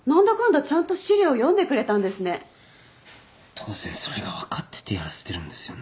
当然それが分かっててやらせてるんですよね。